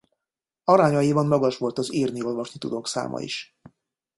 Arányaiban magas volt az írni-olvasni tudók száma is.